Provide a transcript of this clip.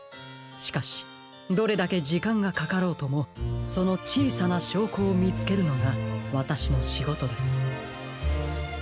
しかしどれだけじかんがかかろうともそのちいさなしょうこをみつけるのがわたしのしごとです。